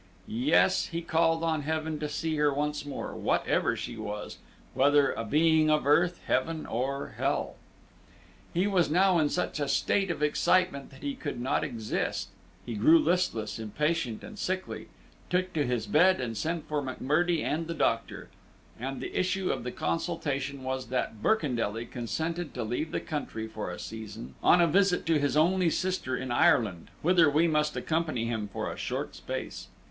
Yes, he called on Heaven to see her once more, whatever she was, whether a being of earth, heaven, or hell. He was now in such a state of excitement that he could not exist; he grew listless, impatient, and sickly, took to his bed, and sent for M'Murdie and the doctor; and the issue of the consultation was that Birkendelly consented to leave the country for a season, on a visit to his only sister in Ireland, whither we must accompany him for a short space.